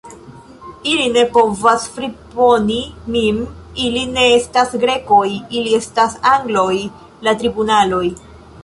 Ili ne povas friponi min; ili ne estas Grekoj, ili estas Angloj; la tribunaloj.